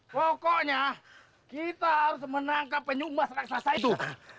pokoknya kita harus menangkap penyumas raksasa itu